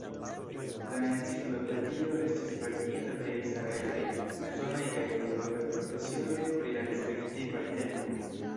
La enciklopedio estis verkita de israelaj, usonaj kaj eŭropaj profesiuloj pri la respektivaj temoj.